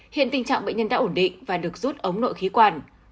hiện tình trạng bệnh nhân đã ổn định và được rút ống nội khí quản